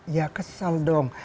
ya kesel dong